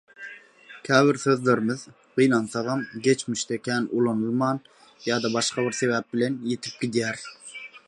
Käbir sözlerimiz, gynansagam, geçmişde kän ulanylman ýa-da başga bir sebäp bilen, ýitip gidýär